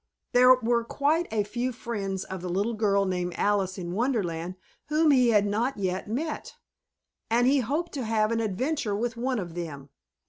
There were quite a few friends of the little girl named Alice in Wonderland whom he had not yet met, and he hoped to have an adventure with one of them.